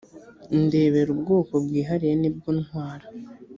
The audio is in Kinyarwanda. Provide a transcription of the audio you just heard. ndebera ubwoko bwihariye nibwo ntwara